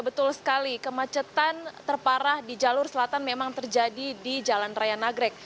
betul sekali kemacetan terparah di jalur selatan memang terjadi di jalan raya nagrek